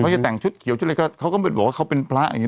จะแต่งชุดเขียวชุดอะไรก็เขาก็บอกว่าเขาเป็นพระอย่างเ